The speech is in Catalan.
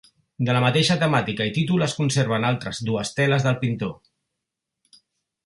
De la mateixa temàtica i títol es conserven altres dues teles del pintor.